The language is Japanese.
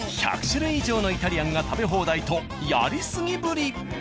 １００種類以上のイタリアンが食べ放題とやりすぎぶり！